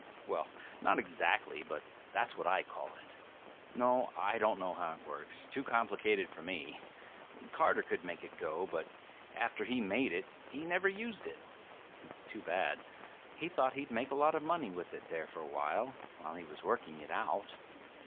Well, not exactly, but that's what I call it. No, I don't know how it works. Too complicated for me. Carter could make it go, but after he made it he never used it. Too bad; he thought he'd make a lot of money with it there for awhile, while he was working it out.